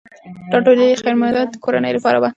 دا ډوډۍ د خیر محمد د کورنۍ لپاره وه.